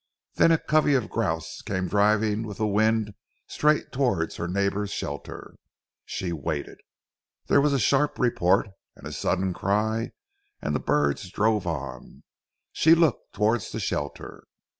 Then a covey of grouse came driving with the wind straight towards her neighbour's shelter. She waited. There was a sharp report, and a sudden cry, and the birds drove on. She looked towards the shelter.